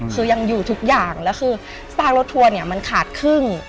คือยังอยู่ทุกอย่างแล้วคือซากรถทัวร์เนี่ยมันขาดครึ่ง